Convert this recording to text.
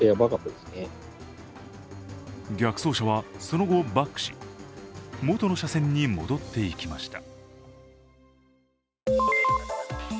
逆走車はその後バックし元の車線に戻っていきました。